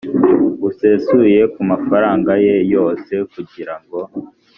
busesuye ku mafaranga ye yose kugira ngo